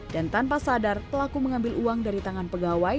dan tanpa sadar pelaku mengambil uang dari tangan pegawai